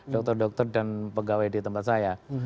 dokter dokter dan pegawai di tempat saya